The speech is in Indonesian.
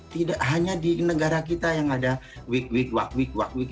tidak hanya di negara kita yang ada week week work week work week